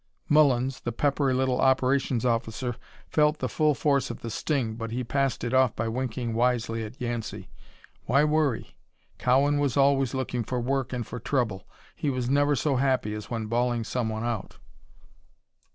Mullins, the peppery little Operations Officer, felt the full force of the sting but he passed it off by winking wisely at Yancey. Why worry? Cowan was always looking for work and for trouble. He was never so happy as when bawling someone out.